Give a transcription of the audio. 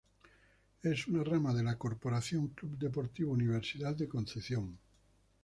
Es una rama de la Corporación Club Deportivo Universidad de Concepción.